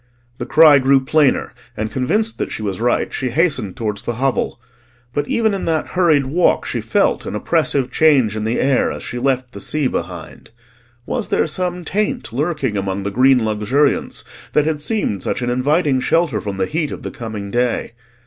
The cry grew plainer, and convinced that she was right she hastened towards the hovel; but even in that hurried walk she felt an oppressive change in the air as she left the sea behind. Was there some taint lurking amongst the green luxuriance that had seemed such an inviting shelter from the heat of the coming day?